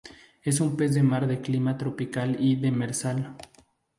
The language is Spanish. Es un pez de mar de clima tropical y demersal.